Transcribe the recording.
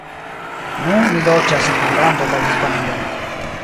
Nun li loĝas en Irlando kaj Hispanio.